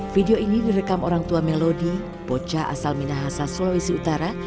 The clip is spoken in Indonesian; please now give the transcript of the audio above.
video ini direkam orangtua melody bocah asal minahasa sulawesi utara